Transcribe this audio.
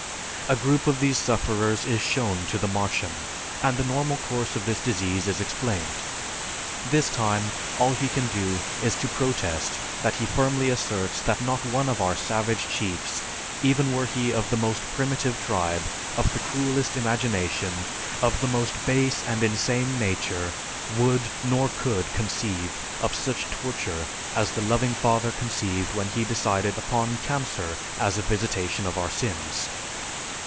A group of these sufferers is shown to the Martian, and the normal course of this disease is explained. This time all he can do is to protest that he firmly asserts that not one of our savage chiefs, even were he of the most primitive tribe, of the cruelest imagination, of the most base and insane nature, would nor could conceive of such torture as the Loving Father conceived when he decided upon cancer as a visitation for our sins.